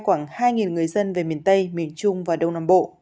khoảng hai người dân về miền tây miền trung và đông nam bộ